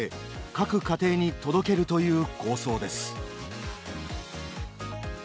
各家庭に届けるという構想です。